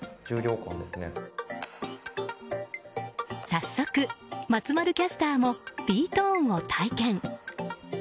早速、松丸キャスターもｂ‐ｔｏｎｅを体験。